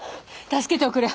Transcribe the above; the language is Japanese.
助けておくれ！